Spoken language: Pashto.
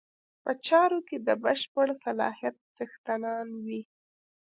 په چارو کې د بشپړ صلاحیت څښتنان وي.